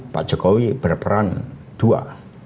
pak jokowi berperan dua